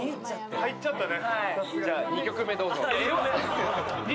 入っちゃったね。